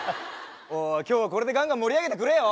今日はこれでガンガン盛り上げてくれよ。